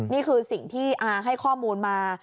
นี่คือสิ่งที่อาให้ข้อมูลมา